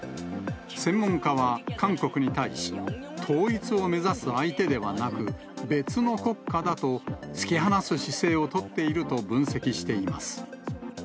専門家は韓国に対し、統一を目指す相手ではなく、別の国家だと、突き放す姿勢を取っていると分析しています。